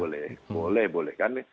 boleh boleh boleh